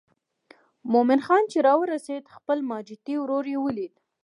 مومن خان چې راورسېد خپل ماجتي ورور یې ولید.